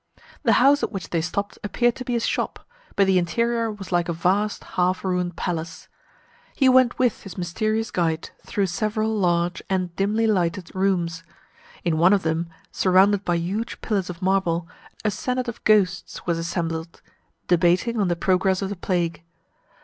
The house at which they stopped appeared to be a shop, but the interior was like a vast half ruined palace. He went with his mysterious guide through several large and dimly lighted rooms. In one of them, surrounded by huge pillars of marble, a senate of ghosts was assembled, debating on the progress of the plague.